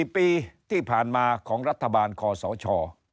๔ปีที่ผ่านมาของรัฐบาลคอสช